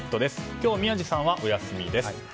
今日、宮司さんはお休みです。